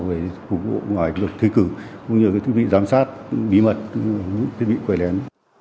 để phục vụ ngoài lực thi cử cũng như cái thiết bị giám sát bí mật thiết bị quay lén